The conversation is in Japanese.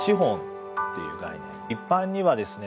一般にはですね